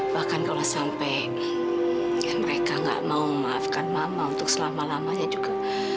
bahkan kalau sampai mereka gak mau memaafkan mama untuk selama lamanya juga